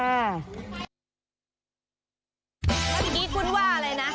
แล้วตอนนี้คุณว่าอะไรนะ